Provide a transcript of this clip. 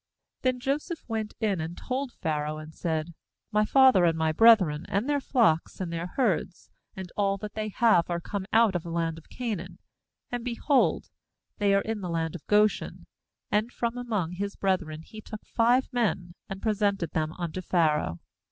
ATI Then Joseph went in and told Pharaoh, and said: 'My father and my brethren, and their flocks, and their herds, and all that they have, are come out of the land of Canaan; and, behold, they are in the land of Goshen/ 2And from among his brethren he took five men, and pre sented them unto Pharaoh.